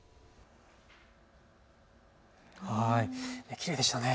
きれいでしたね。